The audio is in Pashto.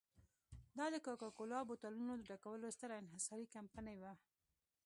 دا د کوکا کولا بوتلونو ډکولو ستره انحصاري کمپنۍ وه.